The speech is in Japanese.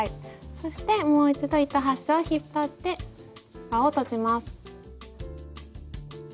そしてもう一度糸端を引っ張って輪を閉じます。